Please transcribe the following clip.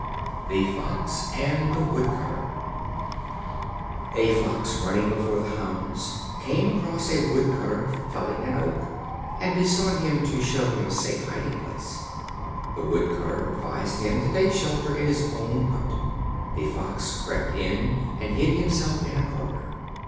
The Fox and the Wood Cutter. A Fox, running before the hounds, came across a Wood cutter felling an oak, and besought him to show him a safe hiding place. The Wood cutter advised him to take shelter in his own hut. The Fox crept in, and hid himself in a corner.